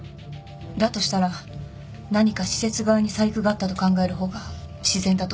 だとしたら何か施設側に細工があったと考える方が自然だと思うけど。